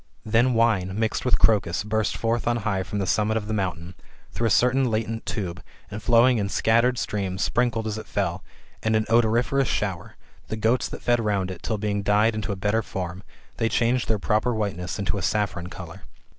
Then wine, mixed with crocus, burst forth on high from the summit of the mountain, through a certain latent tube, and flowing in scattered streams, sprinkled as it fell, with an odoriferous shower, the goats that fed round it, till being dyed into a better form, they changed their proper whiteness into a saffron colour.